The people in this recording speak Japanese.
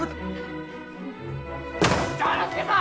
丈之助さん！